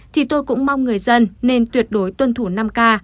thì tôi cũng mong người dân nên tuyệt đối tuân thủ năm k